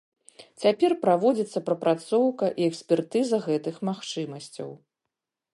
Цяпер праводзіцца прапрацоўка і экспертыза гэтых магчымасцяў.